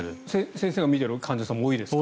先生が診ている患者さんも多いですか？